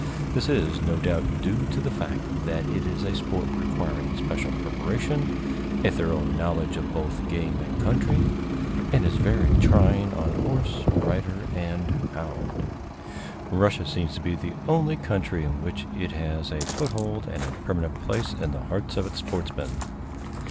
This is, no doubt, due to the fact that it is a sport requiring special preparation, a thorough knowledge of both the game and country, and is very trying on horse, rider and hound. Russia seems to be the only country in which it has a foothold and a permanent place in the hearts of its sportsmen.